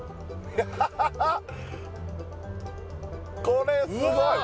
これすごい！